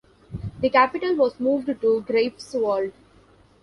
The capital was moved to Greifswald.